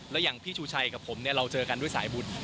แล้วอย่างพี่ชูชัยกับผมเนี่ยเราเจอกันด้วยสายบุญ